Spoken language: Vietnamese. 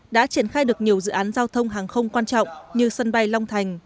đã triển khai được nhiều dự án giao thông hàng không quan trọng như sân bay long thành